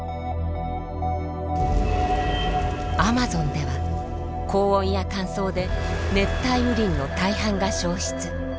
アマゾンでは高温や乾燥で熱帯雨林の大半が消失。